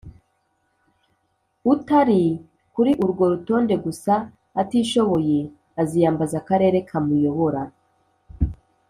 utari kuri urwo rutonde gusa atishoboye aziyambaza akarere kamuyobora